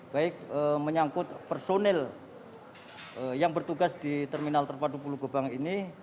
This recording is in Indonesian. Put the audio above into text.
baik menyangkut personil yang bertugas di terminal terpadu pulau gebang ini